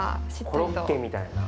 コロッケみたいな。